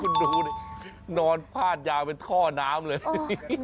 โอ้โฮนอนพ่ารยามเป็นท่อน้ำเลย